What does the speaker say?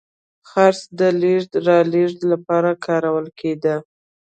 څرخ د لېږد رالېږد لپاره کارول کېده.